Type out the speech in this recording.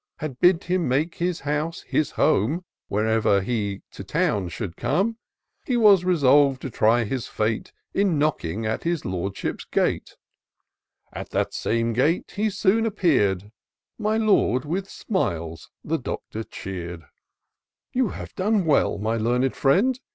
Had bid him make his house his home Whenever he to town should come. He was resolved to try his fate In knocking at his Lordship's gate. At that same gate he soon appear'd ; My Lord with smiles the Doctor cheer'd. IN SEARCH OF THE PICTURESQUE. 267 " You have done well, my learned friend.